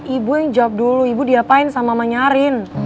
ibu yang jawab dulu ibu diapain sama mamanya arin